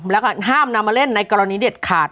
แล้วก็ห้ามนำมาเล่นในกรณีเด็ดขาด